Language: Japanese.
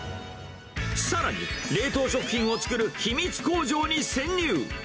さらに、冷凍食品を作る秘密工場に潜入。